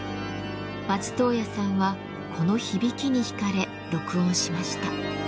松任谷さんはこの響きに引かれ録音しました。